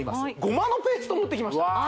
ごまのペーストを持ってきました